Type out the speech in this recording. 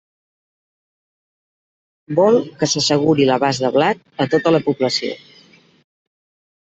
Vol que s'asseguri l'abast de blat a tota la població.